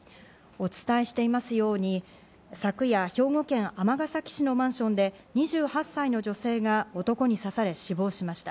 お伝えしていますように昨夜、兵庫県尼崎市のマンションで２８歳の女性が男に刺され死亡しました。